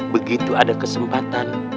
begitu ada kesempatan